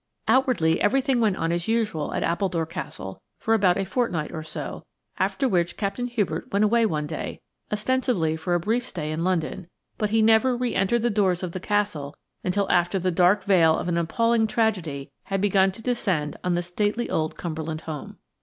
Outwardly everything went on as usual at Appledore Castle for about a fortnight or so, after which Captain Hubert went away one day, ostensibly for a brief stay in London; but he never re entered the doors of the Castle until after the dark veil of an appalling tragedy had begun to descend on the stately old Cumberland home.